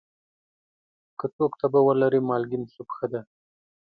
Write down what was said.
که څوک تبه ولري، مالګین سوپ ښه دی.